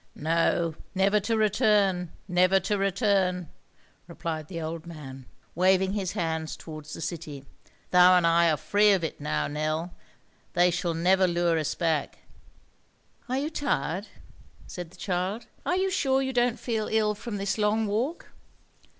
"No, never to return, never to return," replied the old man, waving his hands towards the city. "Thou and I are free of it now, Nell. They shall never lure us back." "Are you tired?" said the child. "Are you sure you don't feel ill from this long walk?"